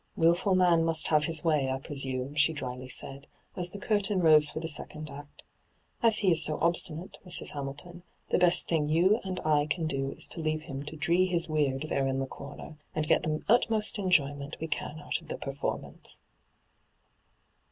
' Wilful man must have his way, I pre sume,' she dryly said, as the curtain rose for the second act. ' As he is so obstinate, Mrs. Hamilton, the best thing you and I can do is to leave him to " dree his weird " there in the comer, and get the utmost enjoyment we can out of the performance.'